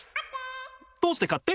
どうしてかって？